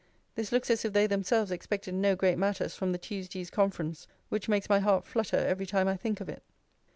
This looks as if they themselves expected no great matters from the Tuesday's conference which makes my heart flutter every time I think of it.